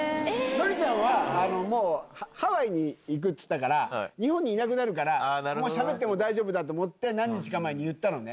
ノリちゃんは、もう、ハワイに行くって言ったから、日本にいなくなるから、もうしゃべっても大丈夫だと思って、何日か前に言ったのね。